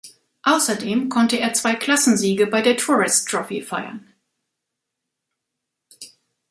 Außerdem konnte er zwei Klassensiege bei der Tourist Trophy feiern.